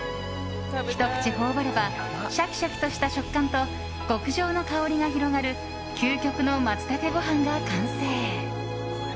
ひと口頬張ればシャキシャキした食感と極上の香りが広がる究極のマツタケご飯が完成。